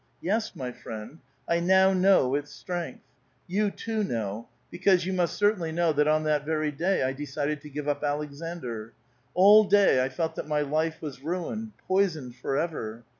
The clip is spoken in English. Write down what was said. Yes, my friend, 1 now know its strength. You, too, know, because you must certainly know that on that very day I decided to give up Aleksandr. All day I felt that my life was ruined — poisoned forever.